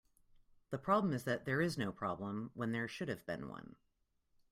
The problem is that there is no problem when there should have been one.